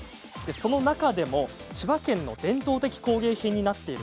その中でも千葉県の伝統的工芸品になっている